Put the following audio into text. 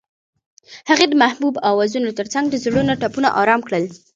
هغې د محبوب اوازونو ترڅنګ د زړونو ټپونه آرام کړل.